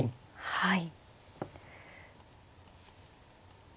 はい。